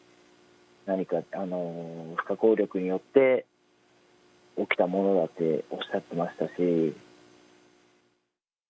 何か、不可抗力によって起きたものだっておっしゃってましたし。